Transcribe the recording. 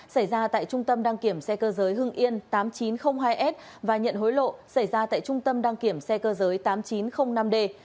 xảy ra tại trung tâm đăng kiểm xe cơ giới hưng yên tám nghìn chín trăm linh hai s và nhận hối lộ xảy ra tại trung tâm đăng kiểm xe cơ giới tám nghìn chín trăm linh năm d